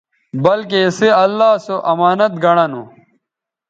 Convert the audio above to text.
بلکہ اِسئ اللہ سو امانت گنڑہ نو